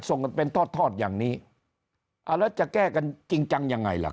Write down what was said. ส่งเป็นทอดแบบนี้แล้วจะแก้กันจริงจังอย่างไงหรอก